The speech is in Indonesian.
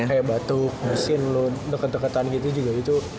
kayak batuk mesin lo deket deketan gitu juga itu